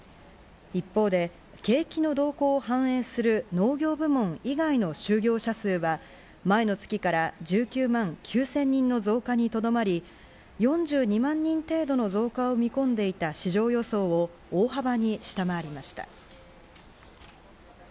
一方で景気の動向を反映する農業部門以外の就業者数は、前の月から１９万９０００人の増加にとどまり、４２万人程度の増加を見込んでいた市場予想を大幅に下回りました。